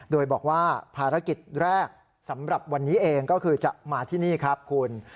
โดยบอกว่าภารกิจแรกสำหรับวันนี้เองก็คือจะมาที่นี่ครับคุณ